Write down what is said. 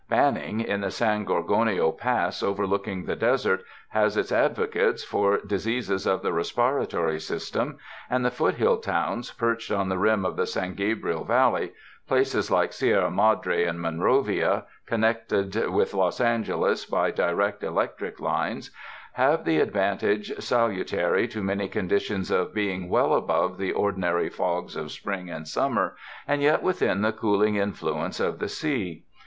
Banning, in the San Gorgonio Pass overlooking the desert, has its advocates for diseases of the respiratory system, and the foot hill towns perched on the rim of the San Gabriel Valley— places like Sierra Madre and Monrovia, connected with Los Angeles by di rect electric lines— have the advantage, salutary to many conditions, of being well above the ordinary fogs of spring and summer and yet within the cool ing influence of the sea.